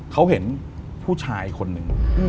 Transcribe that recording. เขาเห็นผู้ชายคนหนึ่ง